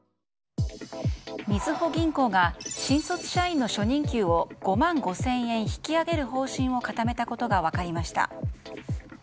みずほ銀行が新卒社員の初任給を５万５０００円引き上げる方針を固めたことが分かりました。